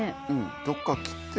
どこか切って？